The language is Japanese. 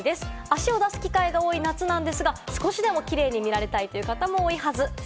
足を出す機会が多い夏なんですが、少しでもキレイに見られたい方が多いはず。